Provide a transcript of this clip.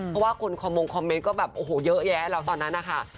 เพราะว่าคนคอมมงคอมเมนต์ก็แบบโอ้โหเยอะแยะแล้วตอนนั้นนะคะ